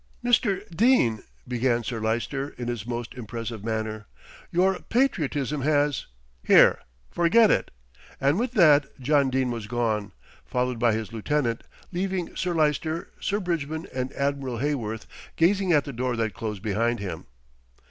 "Mr. Dene," began Sir Lyster in his most impressive manner, "your patriotism has "Here, forget it," and with that John Dene was gone, followed by his lieutenant, leaving Sir Lyster, Sir Bridgman and Admiral Heyworth gazing at the door that closed behind him.